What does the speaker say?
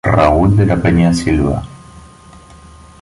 Raúl de la Peña Silva.